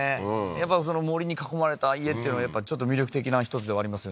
やっぱ森に囲まれた家っていうのはちょっと魅力的な一つではありますよね